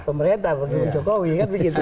pemerintah pendukung jokowi kan begitu